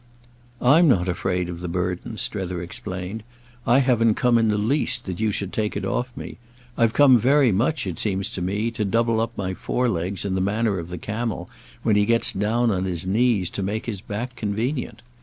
"I'm not afraid of the burden," Strether explained; "I haven't come in the least that you should take it off me. I've come very much, it seems to me, to double up my fore legs in the manner of the camel when he gets down on his knees to make his back convenient.